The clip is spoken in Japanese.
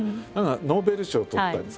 ノーベル賞をとったりさ